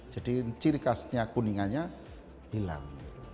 jadi ciri khasnya kuningannya hilang